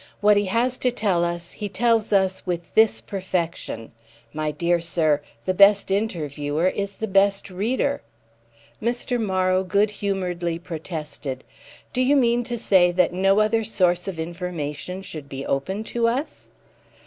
What he has to tell us he tells us with this perfection. My dear sir, the best interviewer is the best reader." Mr. Morrow good humouredly protested. "Do you mean to say that no other source of information should be open to us?"